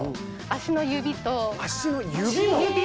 足の指が。